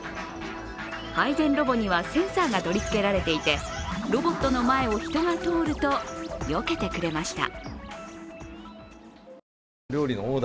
配膳ロボにはセンサーが取り付けられていて、ロボットの前を人が通ると、よけてくれました。